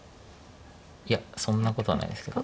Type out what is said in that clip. いやそんなことはないですけど。